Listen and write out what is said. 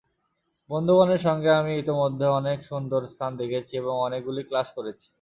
বন্ধুগণের সঙ্গে আমি ইতোমধ্যে অনেক সুন্দর স্থান দেখেছি এবং অনেকগুলি ক্লাস করেছি।